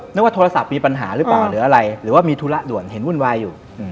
ว่าโทรศัพท์มีปัญหาหรือเปล่าหรืออะไรหรือว่ามีธุระด่วนเห็นวุ่นวายอยู่